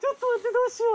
どうしよう！